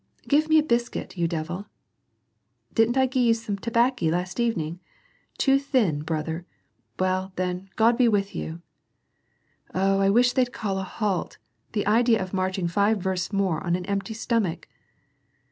" Give me a biscuit, von devil !"" Didn't I gie you some tobaeky, last evening ? Too thin, brother ! Well, then, God bo with you !" "Oh! I wish they'd call a halt ! the idea of marching five versts more on an empty stomach